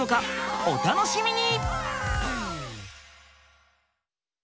お楽しみに！